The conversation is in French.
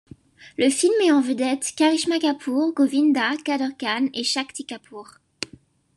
Le film met en vedette Karishma Kapoor, Govinda, Kader Khan et Shakti Kapoor.